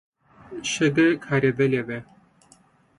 شګه کارېدلې ده.